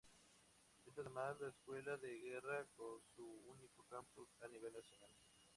Está además la Escuela de Guerra, con su único campus a nivel nacional.